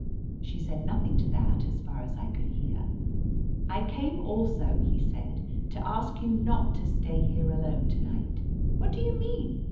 She said nothing to that, as far as I could hear. "I came also," he said, "to ask you not to stay here alone to night." What do you mean